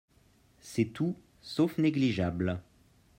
C’est tout sauf négligeable